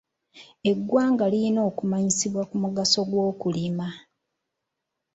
Eggwanga lirina okumanyisibwa ku mugaso gw'okulima.